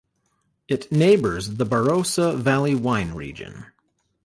It neighbours the Barossa Valley wine region.